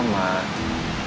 tidak tidak tidak